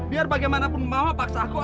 i tidak tahu